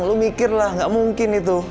lu mikirlah gak mungkin itu